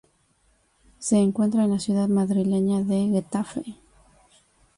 Se encuentra en la ciudad madrileña de Getafe.